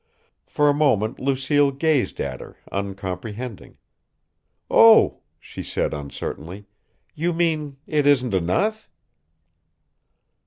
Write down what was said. For a moment Lucille gazed at her, uncomprehending. "Oh!" she said, uncertainly. "You mean it isn't enough?"